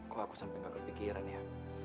kok aku sampai gak kepikiran ya